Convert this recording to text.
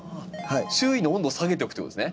周囲の温度を下げておくということですね？